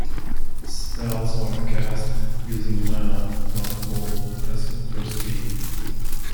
Spells are cast using mana, not gold as in the first game.